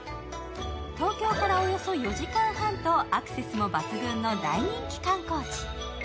東京からおよそ４時間半とアクセスも抜群の大人気観光地。